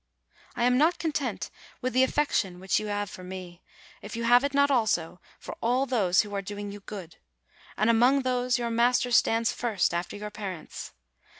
I am not content with the affection which you have for me, if you have it not, also, for all those who are doing you good; and among these, your master stands first, after your parents.